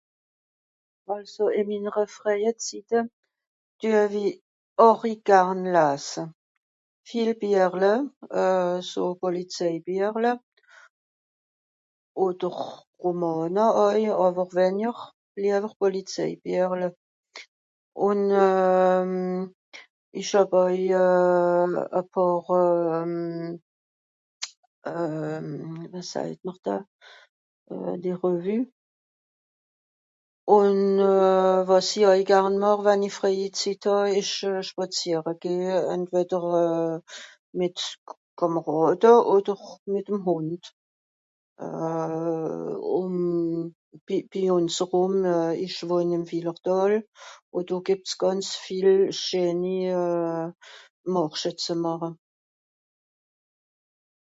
Àlso ìn minnere frèie Zitte düe-w-i àri garn lase. Viel Biechle, so Polizèibiechle, odder Romàne àui àwer wenjer, liewer Polizèibiechle. Ùn ìch hàb oei e pààr, wie sajt mr da, des Revues. Ùn wàs i àui garn màch wenn i frèie Zitt hàà ìsch spàzìere gehe, entweder mìt Kàmàràde odder mìt'm Hùnd ùn bi ùns erùm, ìch wohn ìm Wìllertàl, ù do gìbbt's gànz viel scheeni màrche ze màche.